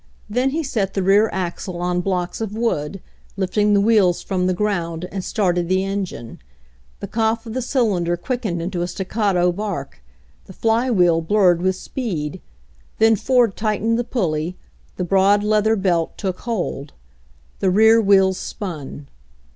Then he set the rear axle on blocks of wood, lifting the wheels from the ground and started the engine. The cough of the cylinder quickened into a staccato bark, the flywheel blurred with speed. Then Ford tightened the pulley, the broad leather belt took hold. The rear wheels spun.